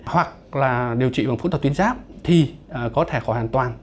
hoặc là điều trị bằng phẫu thuật tuyến giáp thì có thể khỏi hoàn toàn